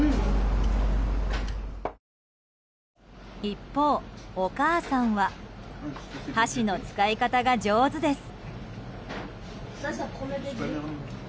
一方、お母さんは箸の使い方が上手です。